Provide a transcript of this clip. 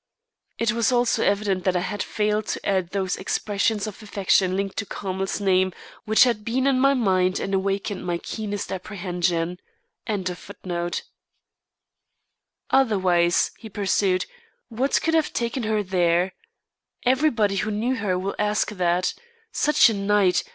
_ It was also evident that I had failed to add those expressions of affection linked to Carmel's name which had been in my mind and awakened my keenest apprehension. "Otherwise," he pursued, "what could have taken her there? Everybody who knew her will ask that. Such a night!